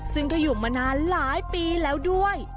ซึ่งก็อยู่มานานหลายปีแล้วด้วย